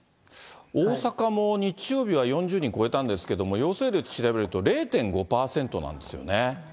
大阪も日曜日は４０人超えたんですけども、陽性率調べると０．５％なんですよね。